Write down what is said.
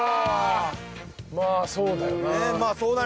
まあそうだよな。